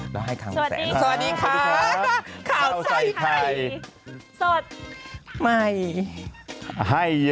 สวัสดีค่ะข่าวใส่ไข่สดไม่ให้เยอะ